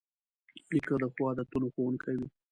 نیکه د ښو عادتونو ښوونکی وي.